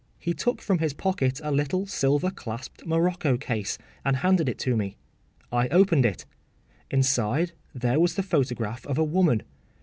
’ He took from his pocket a little silver clasped morocco case, and handed it to me. I opened it. Inside there was the photograph of a woman.